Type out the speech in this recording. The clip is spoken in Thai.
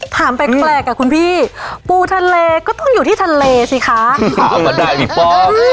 ถามไปแกลกอ่ะคุณพี่ปูทะเลก็ต้องอยู่ที่ทะเลสิคะถามมาได้อีกป๊อบอืม